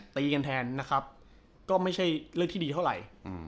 ตีกันแทนนะครับก็ไม่ใช่เรื่องที่ดีเท่าไหร่